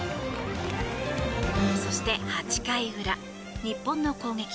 そして、８回裏日本の攻撃。